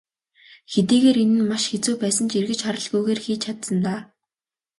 Хэдийгээр энэ нь маш хэцүү байсан ч эргэж харалгүйгээр хийж чадсан даа.